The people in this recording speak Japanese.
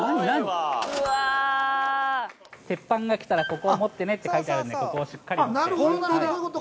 「鉄板がきたらここを持ってね」って書いてあるのでここをしっかり持って・あっ